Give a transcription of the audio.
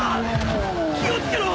気を付けろ！